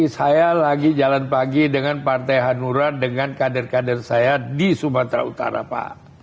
saya lagi jalan pagi dengan partai hanura dengan kader kader saya di sumatera utara pak